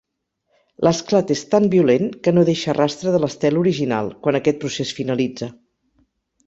L'esclat és tan violent que no deixa rastre de l'estel original, quan aquest procés finalitza.